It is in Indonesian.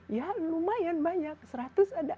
ya lumayan banyak seratus ada